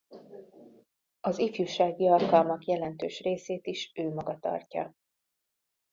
Az ifjúsági alkalmak jelentős részét is ő maga tartja.